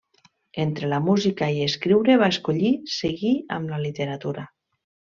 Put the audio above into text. Entre la música i escriure va escollir seguir amb la literatura.